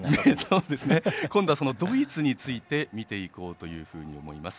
今度はそのドイツについて見ていこうと思います。